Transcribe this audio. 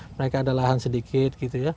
mereka ada lahan sedikit